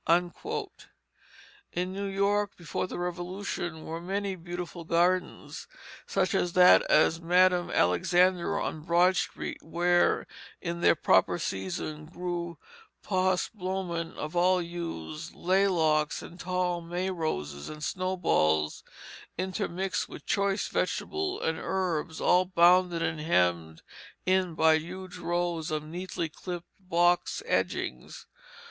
In New York, before the Revolution, were many beautiful gardens, such as that of Madam Alexander on Broad Street, where in their proper season grew "paus bloemen of all hues, laylocks and tall May roses and snowballs intermixed with choice vegetables and herbs all bounded and hemmed in by huge rows of neatly clipped box edgings."